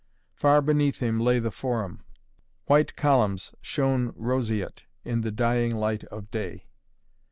Far beneath him lay the Forum. White columns shone roseate in the dying light of day.